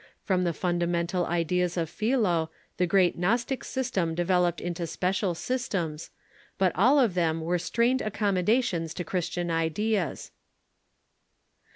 From the fundamental ideas of Philo the great Gnostic system de veloped into special systems, but all of them were strained accommodations to Christian ideas.